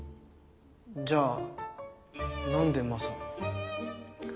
じゃあ何でマサを？